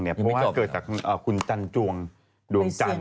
เพราะว่าเกิดจากคุณจันจวงดวงจันทร์